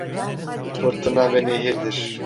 Fırtına ve nehirdir.